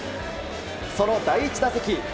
その第１打席。